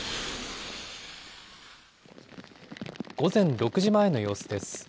午前６時前の様子です。